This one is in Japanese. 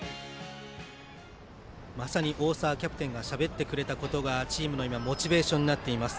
まさに大澤キャプテンがしゃべってくれたことがチームのモチベーションになっています。